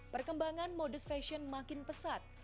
perkembangan modest fashion makin pesat